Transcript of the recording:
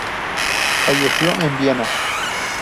Falleció en Viena.